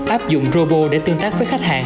áp dụng robo để tương tác với khách hàng